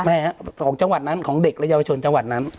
ไม่ครับของจังหวัดนั้นของเด็กและเยาวชนจังหวัดนั้น